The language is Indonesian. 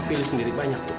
pilih sendiri banyak